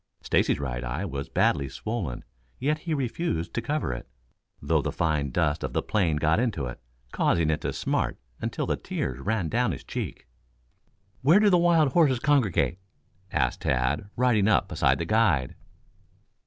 Stacy's right eye was badly swollen, yet he refused to cover it, though the fine dust of the plain got into it, causing it to smart until the tears ran down his cheek. "Where do the wild horses congregate?" asked Tad, riding up beside the guide.